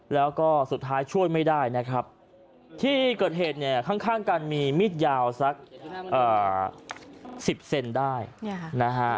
แล้วก็สุดท้ายช่วยไม่ได้นะครับที่เกิดเหตุเนี่ยข้างกันมีมีดยาวสัก๑๐เซนได้นะฮะ